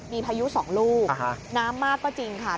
มีพายุ๒ลูกน้ำมากก็จริงค่ะ